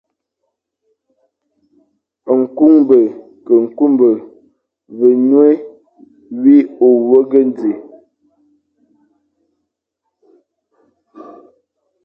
Nkuñbe ke kuñbe, ve nwé wi o wéghé di,